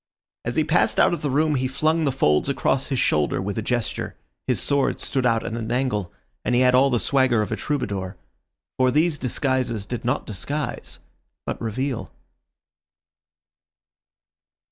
As he passed out of the room he flung the folds across his shoulder with a gesture, his sword stood out at an angle, and he had all the swagger of a troubadour. For these disguises did not disguise, but reveal.